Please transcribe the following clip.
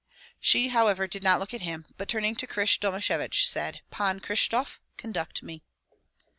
She however, did not look at him, but turning to Krysh Domashevich, said, "Pan Kryshtof, conduct me."